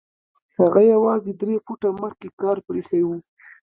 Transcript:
هغه يوازې درې فوټه مخکې کار پرېښی و.